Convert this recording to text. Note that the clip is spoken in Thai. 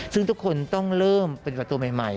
ซึ่งทุกคนต้องเริ่มเป็นประตูใหม่